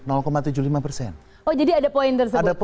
oh jadi ada poin tersebut